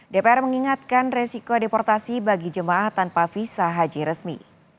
dpr mengingatkan resiko deportasi bagi jemaah tanpa visa haji resmi